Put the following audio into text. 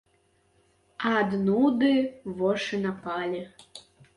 Ад нуды вошы напалі.